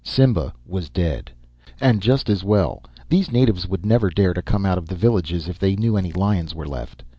Simba was dead, and just as well. These natives would never dare to come out of the villages if they knew any lions were left.